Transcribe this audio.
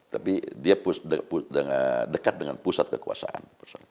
tapi dia dekat dengan pusat kekuasaan